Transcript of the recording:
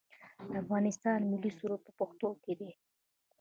د افغانستان ملي سرود په پښتو دی